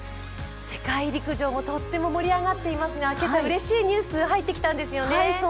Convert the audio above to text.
世界陸上もとっても盛り上がっていますが今朝、うれしいニュースが入ってきたんですよね。